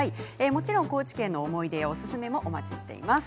もちろん高知県の思い出やおすすめもお待ちしております。